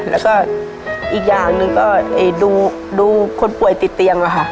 แล้วก็อีกอย่างหนึ่งก็ดูคนป่วยติดเตียงนะคะ